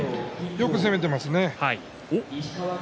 よく攻めてますね。